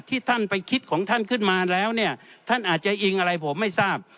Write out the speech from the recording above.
ท่านไปคิดของท่านขึ้นมาแล้วเนี่ยท่านอาจจะอิงอะไรผมไม่ทราบ